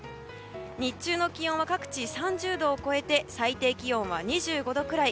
日中の気温は各地３０度を超えて最低気温は２５度くらい。